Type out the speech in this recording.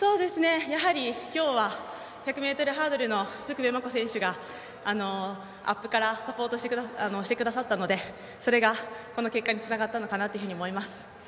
今日は１００ｍハードルの福部真子選手がアップからサポートしてくださったのでそれが、この結果につながったのかと思います。